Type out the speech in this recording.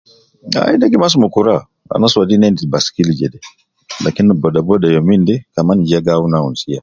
Ai ne gi masi me kura, ans wadin endis baskili jede, lakin bodaboda youminde kaman ya gi awunu awunu siya.